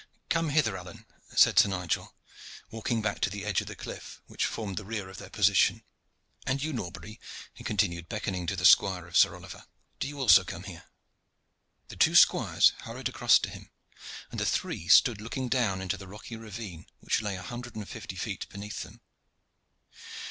"Come hither, Alleyne," said Sir Nigel, walking back to the edge of the cliff which formed the rear of their position. "And you, Norbury," he continued, beckoning to the squire of Sir Oliver, "do you also come here." The two squires hurried across to him, and the three stood looking down into the rocky ravine which lay a hundred and fifty feet beneath them.